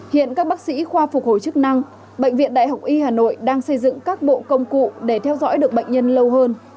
hiện các bác sĩ khoa phục hồi chức năng bệnh viện đại học y hà nội đang xây dựng các bộ công cụ để theo dõi được bệnh nhân lâu hơn